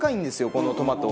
このトマト。